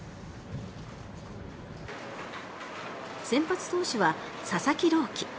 先発投手は佐々木朗希。